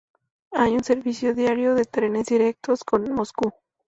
Hay un servicio diario de trenes directos con Moscú.